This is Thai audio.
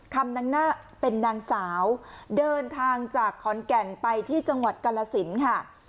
คำนั้นหน้าเป็นนางสาวเดินทางจากขอนแก่นไปที่จังหวัดกรรลศิลป์ค่ะ